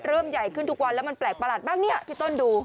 ใหญ่ขึ้นทุกวันแล้วมันแปลกประหลาดมากเนี่ยพี่ต้นดู